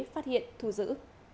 phát hiện thu giữ